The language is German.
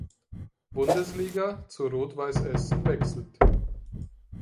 Bundesliga zu Rot-Weiss Essen wechselte.